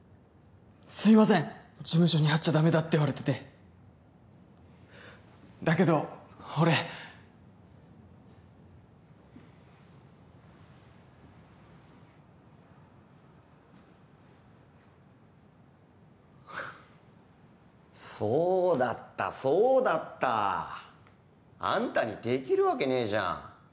すいません事務所に会っちゃダメだって言われててだけど俺そうだったそうだったあんたにできるわけねえじゃん